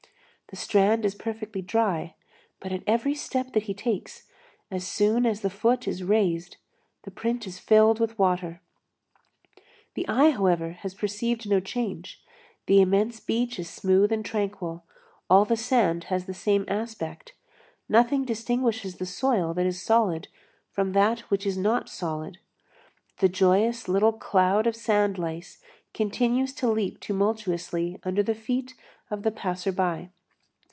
The strand is perfectly dry, but at every step that he takes, as soon as the foot is raised, the print is filled with water. The eye, however, has perceived no change; the immense beach is smooth and tranquil, all the sand has the same aspect, nothing distinguishes the soil that is solid from that which is not solid; the joyous little cloud of sand lice continues to leap tumultuously under the feet of the passer by.